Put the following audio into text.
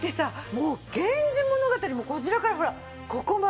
もう『源氏物語』もこちらからほらここまで。